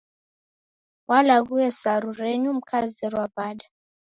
Mwalaghue saru renyu mkazerwa w'ada?